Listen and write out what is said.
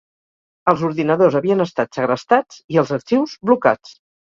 Els ordinadors havien estat segrestats i els arxius, blocats.